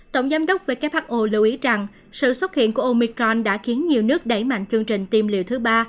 tổng giám đốc who lưu ý rằng sự xuất hiện của omicron đã khiến nhiều nước đẩy mạnh chương trình tiêm liệu thứ ba